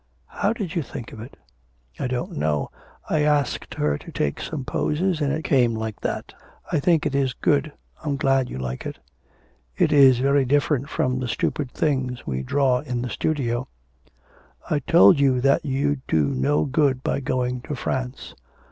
How did you think of it?' 'I don't know, I asked her to take some poses and it came like that. I think it is good. I'm glad you like it.' 'It is very different from the stupid things we draw in the studio.' 'I told you that you'd do no good by going to France.'